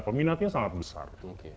peminatnya sangat besar